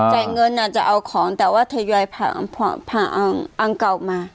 แต่เงินอาจจะเอาของแต่ว่าทยอยผ่าอังเก่ามา